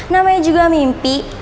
namanya juga mimpi